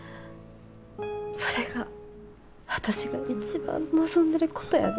それが私が一番望んでることやで。